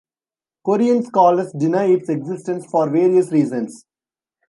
Korean scholars deny its existence for various reasons.